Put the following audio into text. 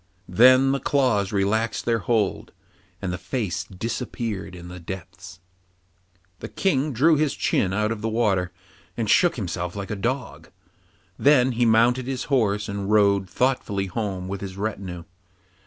Then the claws relaxed their hold, and the face disappeared in the depths. The King drew his chin out of the water, and shook himself like a dog; then he mounted his horse and rode thoughtfully home with his retinue.